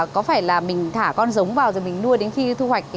có phải là mình thả con giống vào rồi mình nuôi đến khi thu hoạch